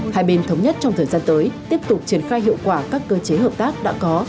hai bên thống nhất trong thời gian tới tiếp tục triển khai hiệu quả các cơ chế hợp tác đã có